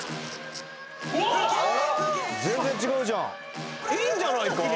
全然違うじゃんいいんじゃないか？